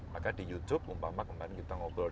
maka di youtube umpama kemarin kita ngobrol